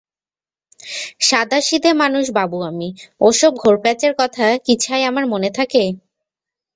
সাদাসিধে মানুষ বাবু আমি, ওসব ঘোরপ্যাচের কথা কি ছাই আমার মনে থাকে!